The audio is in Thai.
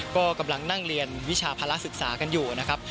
ก็กำลังนั่งเรียนวิชาภาระศึกษากันอยู่นะครับ